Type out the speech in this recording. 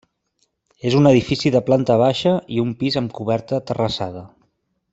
És un edifici de planta baixa i un pis amb coberta terrassada.